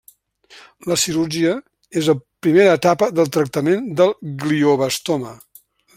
La cirurgia és la primera etapa de tractament del glioblastoma.